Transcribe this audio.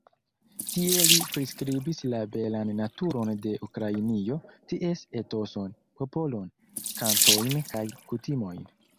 Tie li priskribis la belan naturon de Ukrainio, ties etoson, popolon, kantojn kaj kutimojn.